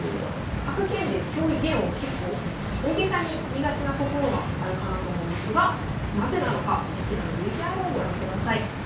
格言で表現を結構大げさに言いがちなところがあるかなと思うんですがなぜなのかこちらのＶＴＲをご覧ください。